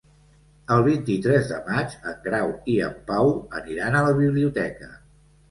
El vint-i-tres de maig en Grau i en Pau aniran a la biblioteca.